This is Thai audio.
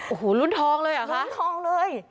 โอ้โหลุ้นทองเลยเหรอคะลุ้นทองเลย